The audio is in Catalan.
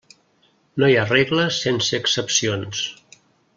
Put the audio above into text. No hi ha regla sense excepcions.